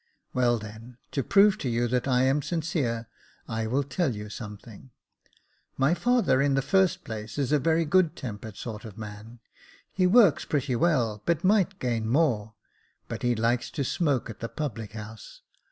" Well, then, to prove to you that I am sincere, I will tell you something. My father, in the first place, is a very good tempered sort of man. He works pretty well, but might gain more, but he likes to smoke at the public house.